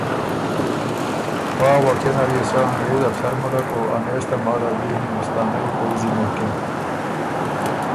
پا واقعیه نر يې سۀ انګرېز افسر مُلّک او انېس تماله دی هندوستانئ پؤځی ملکِن